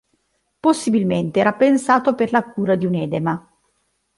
Possibilmente era pensato per la cura di un edema.